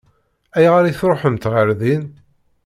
Ayɣer i tṛuḥemt ɣer din?